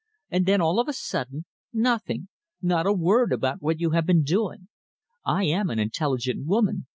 And then, all of a sudden, nothing not a word about what you have been doing. I am an intelligent woman.